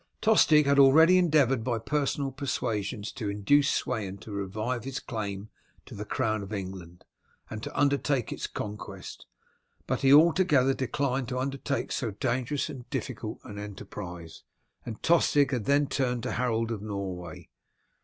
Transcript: Tostig had already endeavoured by personal persuasions to induce Sweyn to revive his claim to the crown of England, and to undertake its conquest; but he altogether declined to undertake so dangerous and difficult an enterprise, and Tostig had then turned to Harold of Norway.